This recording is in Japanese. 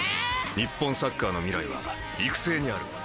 日本サッカーの未来は育成にある。